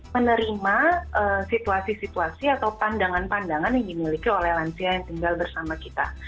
menerima situasi situasi atau pandangan pandangan yang dimiliki oleh lansia yang tinggal bersama kita